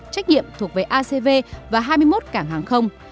trách nhiệm thuộc về acv và hai mươi một cảng hàng không